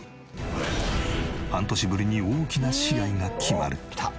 半年ぶりに大きな試合が決まる。